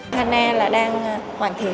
hanna là đang hoàn thiện